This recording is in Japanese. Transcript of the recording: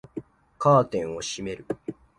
カーテンを閉める